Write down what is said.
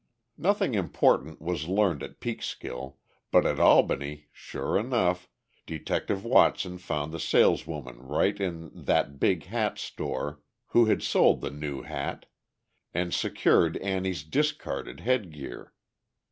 Nothing important was learned at Peekskill, but at Albany, sure enough, Detective Watson found the saleswoman right in "that big hat store" who had sold the new hat, and secured Annie's discarded headgear.